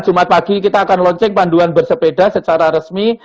jumat pagi kita akan lonceng panduan bersepeda secara resmi